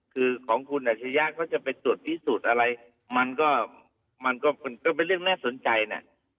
คือของคุณอาชญาเขาจะไปตรวจพิสูจน์อะไรมันก็มันก็มันก็เป็นเรื่องน่าสนใจเนี่ย